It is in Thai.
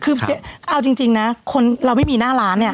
คือเอาจริงนะคนเราไม่มีหน้าร้านเนี่ย